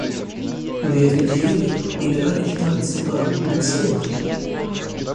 Ветви деревьев играли в танце под лунным светом.